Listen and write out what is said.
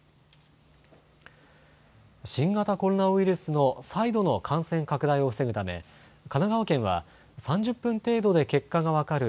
新型コロナウイルスの再度の感染拡大を防ぐため神奈川県は３０分程度で結果が分かるれる